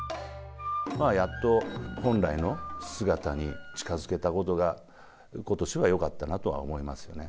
やっと本来の姿に近づけたことが、ことしはよかったなとは思いますよね。